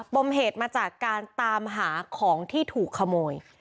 ปมเหตุมาจากการตามหาของที่ถูกขโมย